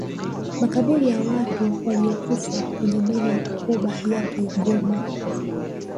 makabuli ya watu waliyokufa kwenye meli ya bukoba yapo igoma